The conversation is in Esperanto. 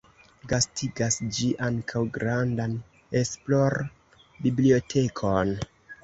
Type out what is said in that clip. Gastigas ĝi ankaŭ grandan esplor-bibliotekon.